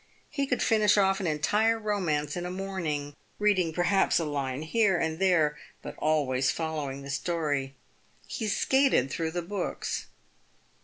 He could finish off an entire romance in a morning, reading perhaps a line here and there, but always following the story. He skated through the books.